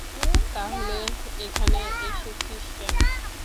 তাহলে এখানে এসেছিস কেন?